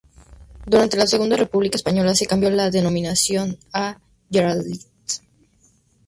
Durante la Segunda República Española se cambió la denominación a Generalitat.